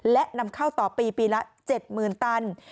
และนำเข้าต่อปีปีละ๗๐๐๐ตัน